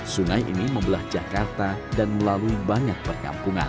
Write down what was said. sungai ini membelah jakarta dan melalui banyak perkampungan